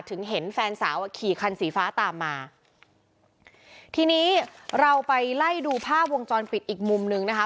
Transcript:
เห็นแฟนสาวอ่ะขี่คันสีฟ้าตามมาทีนี้เราไปไล่ดูภาพวงจรปิดอีกมุมนึงนะคะ